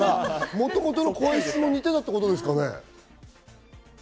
もともと声質も似てたっていうことですかね。